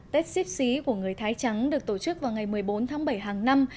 tết ship xí của người thái trắng được tổ chức vào ngày một mươi bốn tháng bảy hàng năm